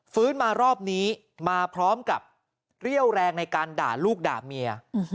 มารอบนี้มาพร้อมกับเรี่ยวแรงในการด่าลูกด่าเมีย